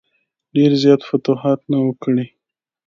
ډېر زیات فتوحات نه وه کړي.